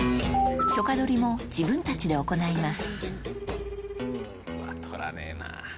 許可どりも自分たちで行います